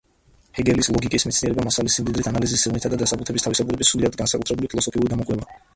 ჰეგელის „ლოგიკის მეცნიერება“ მასალის სიმდიდრით, ანალიზის სიღრმითა და დასაბუთების თავისებურებით სრულიად განსაკუთრებული ფილოსოფიური გამოკვლევაა.